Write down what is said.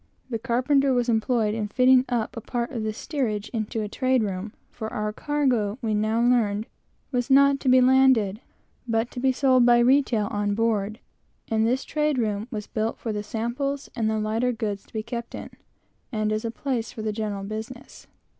The carpenter was employed in fitting up a part of the steerage into a trade room; for our cargo, we now learned, was not to be landed, but to be sold by retail from on board; and this trade room was built for the samples and the lighter goods to be kept in, and as a place for the general business.